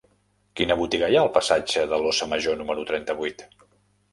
Quina botiga hi ha al passatge de l'Óssa Major número trenta-vuit?